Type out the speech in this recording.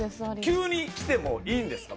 急に来てもいいんですか？